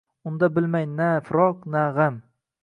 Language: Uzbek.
Unda bilmay na firoq, na gʼam